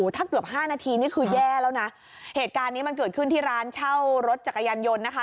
ถ้าเกือบ๕นาทีนี่คือแย่แล้วนะเหตุการณ์นี้มันเกิดขึ้นที่ร้านเช่ารถจักรยานยนต์นะคะ